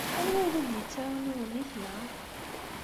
Anwa ay la d-yettarun iwenniten-a?